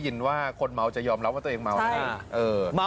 อยากรู้จักไหมล่ะ